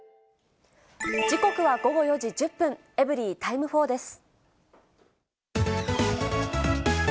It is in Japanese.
時刻は午後４時１０分、エブリィタイム４です。